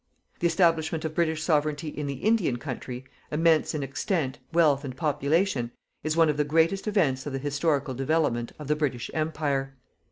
The establishment of British Sovereignty in the Indian country, immense in extent, wealth and population, is one of the greatest events of the historical development of the British Empire.